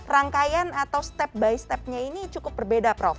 rangkaian atau step by step nya ini cukup berbeda prof